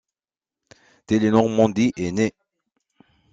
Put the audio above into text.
Télé-Normandie est née.